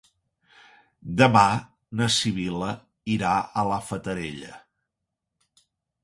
Demà na Sibil·la irà a la Fatarella.